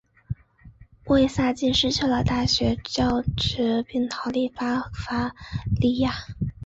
魏萨普失去了大学教职并逃离巴伐利亚。